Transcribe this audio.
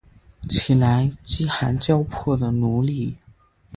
起来，饥寒交迫的奴隶！